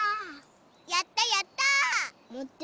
やったやった！